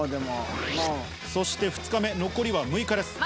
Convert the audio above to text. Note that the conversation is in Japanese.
そして２日目、残りは６日です。